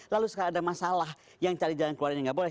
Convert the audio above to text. lalu sekali ada masalah yang cari jalan keluar yang gak boleh